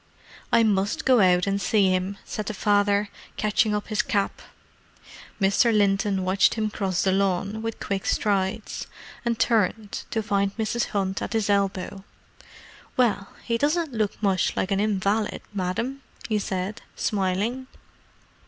"I must go out and see him," said the father, catching up his cap. Mr. Linton watched him cross the lawn with quick strides: and turned, to find Mrs. Hunt at his elbow. "Well—he doesn't look much like an invalid, Madam!" he said, smiling.